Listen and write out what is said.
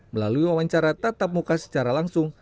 melalui wawancara tatap muka secara langsung